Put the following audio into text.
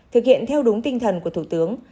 thực hiện theo đúng tinh thần của thủ tướng